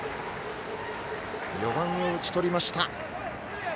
４番を打ち取りました。